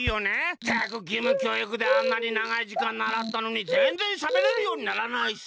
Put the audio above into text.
ったくぎむきょういくであんなにながいじかんならったのにぜんぜんしゃべれるようにならないしさ。